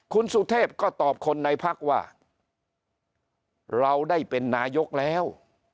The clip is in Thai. คุณสุเทพก็ตอบคนในพักว่าเราได้เป็นนายกแล้ว